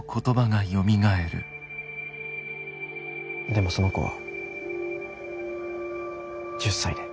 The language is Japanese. でもその子は１０才で。